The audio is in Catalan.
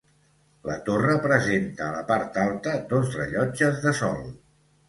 La torre presenta a la part alta dos rellotges de sol.